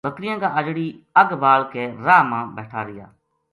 بکریاں کا اَجڑی اَگ بال کے راہ ما بیٹھا رہیا